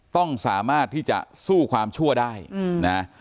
ต้องสามารถที่จะสู้ความชั่วได้นะ